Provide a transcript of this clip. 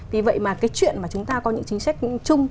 vì vậy mà cái chuyện mà chúng ta có những chính sách chung